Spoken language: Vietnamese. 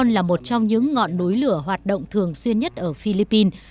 là một trong những ngọn núi lửa hoạt động thường xuyên nhất ở philippines